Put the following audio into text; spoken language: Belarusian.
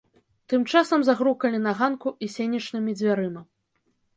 Тым часам загрукалі на ганку і сенечнымі дзвярыма.